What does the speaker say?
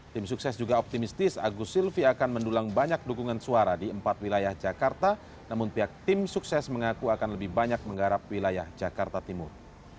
tim sukses juga optimistis agus silvi akan mendulang banyak dukungan suara di empat wilayah jakarta namun pihak tim sukses mengaku akan lebih banyak menggarap wilayah jakarta timur